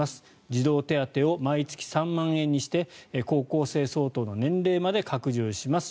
児童手当を毎月３万円にして高校生相当の年齢まで拡充します。